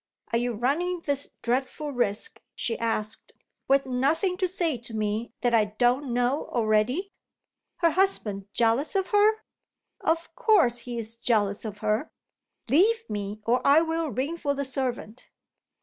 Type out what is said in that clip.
"Are you running this dreadful risk," she asked, "with nothing to say to me that I don't know already? Her husband jealous of her? Of course he is jealous of her! Leave me or I will ring for the servant."